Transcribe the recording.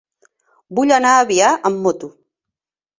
Vull anar a Biar amb moto.